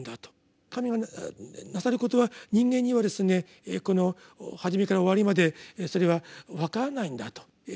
神がなさることは人間にはですねこの始めから終わりまでそれは分からないんだと。